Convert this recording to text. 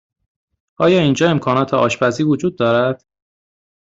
آیا اینجا امکانات آشپزی وجود دارد؟